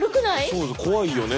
そうだよ怖いよね。